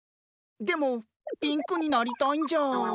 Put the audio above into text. でもピンクになりたいんじゃ。